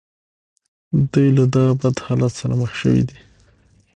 دوی له دغه بد حالت سره مخ شوي دي